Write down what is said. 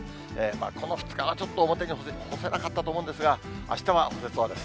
この２日はちょっと表に干せなかったと思うんですが、あしたは干せそうです。